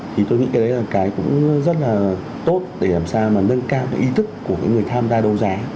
thì tôi nghĩ cái đấy là cái cũng rất là tốt để làm sao mà nâng cao cái ý thức của người tham gia đấu giá